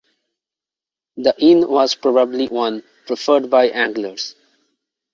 The inn was probably one preferred by anglers.